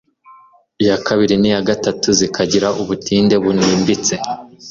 iya kabiri n'iya gatatu zikagira ubutinde bunimbitse,